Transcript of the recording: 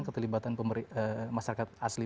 keterlibatan masyarakat asli